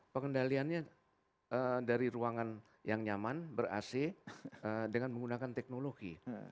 pengendaliannya dari ruangan yang nyaman ber ac dengan menggunakan teknologi